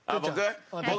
僕？